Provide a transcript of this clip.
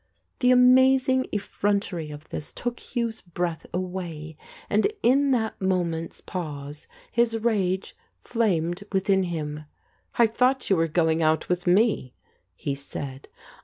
The amazing effrontery of this took Hugh's breath away, and in that moment's pause his rage flamed within him. " I thought you were going out with me ?" he said.